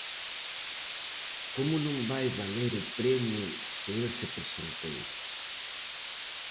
Como non vai valer o premio se el se presentou?